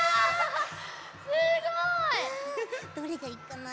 すごい！どれがいいかな！